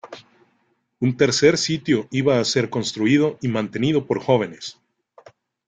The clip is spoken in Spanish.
Un tercer sitio iba a ser construido y mantenido por jóvenes.